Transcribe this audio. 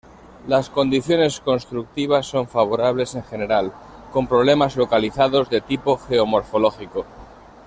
Las condiciones constructivas son favorables en general, con problemas localizados de tipo geomorfológico.